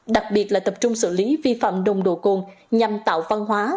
đặc biệt là tập trung xử lý vi phạm đồng đồ côn nhằm tạo văn hóa